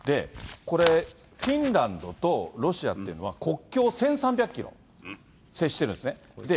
これ、フィンランドとロシアっていうのは、国境１３００キロ、接してるんですね。